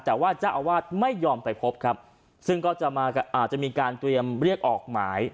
แต่ว่าเจ้าอาวาสไม่ยอมไปพบครับซึ่งก็จะมาอาจจะมีการเตรียมเรียกออกหมาย